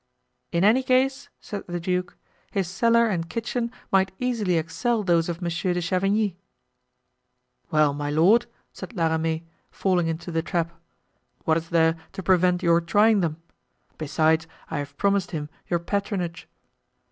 "In any case," said the duke, "his cellar and kitchen might easily excel those of Monsieur de Chavigny." "Well, my lord," said La Ramee, falling into the trap, "what is there to prevent your trying them? Besides, I have promised him your patronage."